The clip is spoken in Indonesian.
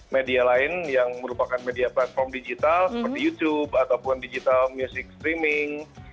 media lain yang merupakan media platform digital seperti youtube ataupun digital music streaming